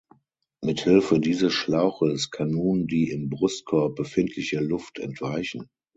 Mithilfe dieses Schlauches kann nun die im Brustkorb befindliche Luft entweichen.